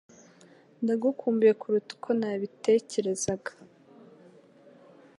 Ndagukumbuye kuruta uko nabiteke rezaga;